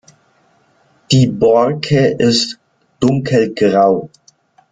Die Borke ist dunkelgrau.